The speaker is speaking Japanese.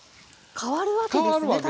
変わるわけですよ。